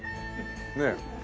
ねえ。